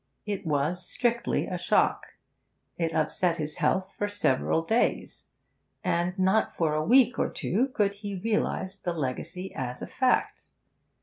It was strictly a shock; it upset his health for several days, and not for a week or two could he realise the legacy as a fact.